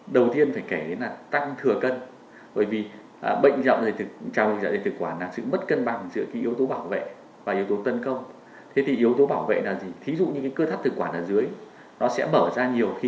đầu tiên thì cảm ơn bác sĩ đã dành thời gian cho chương trình sức khỏe ba sáu năm của chúng tôi ngày hôm nay